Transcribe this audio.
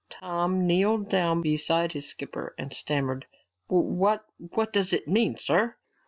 Tom kneeled down beside his skipper and stammered, "What what does it mean, sir?"